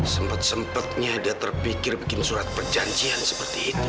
sempet sempetnya dia terpikir bikin surat perjanjian seperti itu